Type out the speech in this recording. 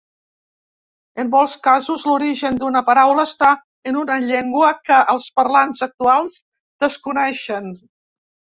En molts casos l'origen d'una paraula està en una llengua que els parlants actuals desconeixen.